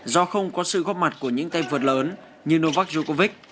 do không có sự góp mặt của những tay vượt lớn như novak zucovite